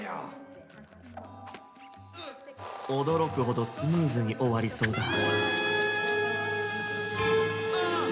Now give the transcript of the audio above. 驚く程スムーズに終わりそうだ。